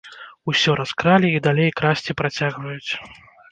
Усё раскралі, і далей красці працягваюць.